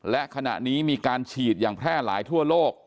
และขณะนี้มีการฉีดอย่างแพร่หลายทั่วโลก